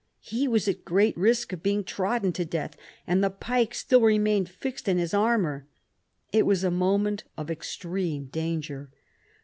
He was in great risk of being trodden to death, and the pike still remained fixed in his armour. It was a moment of extreme danger.